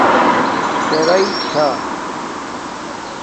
یݳ شݳ رِݵ چھݳئی.